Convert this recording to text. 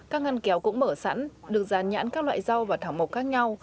các ngăn kéo cũng mở sẵn được dàn nhãn các loại rau và thảo mộc khác nhau